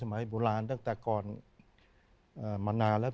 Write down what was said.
โบราณตั้งแต่ก่อนมานานแล้ว